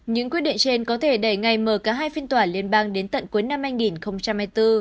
những quyết định trên có thể đẩy ngày mở cả hai phiên tòa liên bang đến tận cuối năm hai nghìn hai mươi bốn